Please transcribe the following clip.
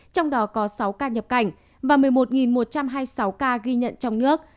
trong đó có sáu ca nhập cảnh và một mươi một một trăm hai mươi sáu ca ghi nhận trong nước